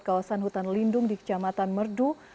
kawasan hutan lindung di kecamatan merdu